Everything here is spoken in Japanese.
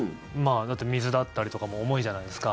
水だったりとかも重いじゃないですか。